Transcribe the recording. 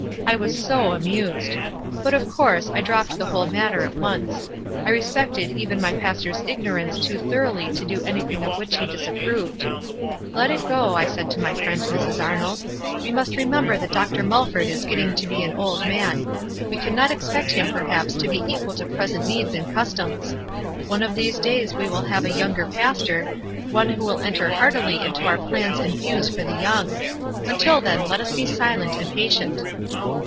I was s(j amused. But, of course, I dropped the whole matter at once. I respected even my pastor's ignorance too thoroughly to do anything of which he disapproved. ' Let it go,' I said to my friend, Mrs. Arnold. 'We must remember that Dr. Mulford is getting to be an old man. We cannot expect him perhaps to be equal to present needs and customs. One of these days we will have a younger pastor, one who will enter h( •irtily into our plans and views for the young. Until then let us be silent and patient.